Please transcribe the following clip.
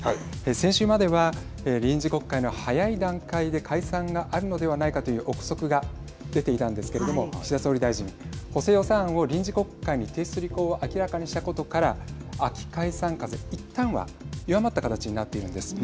先週までは臨時国会の早い段階で解散があるのではないかという臆測が出ていたんですけれども岸田総理大臣、補正予算案を臨時国会に提出する意向を明らかにしたことから秋解散風、いったんは弱まった形になっているんです。